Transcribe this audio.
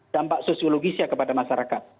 dampak sosiologis ya kepada masyarakat